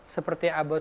seperti about usa